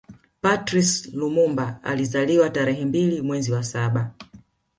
Patrice Lumumba alizaliwa tarehe mbili mwezi wa saba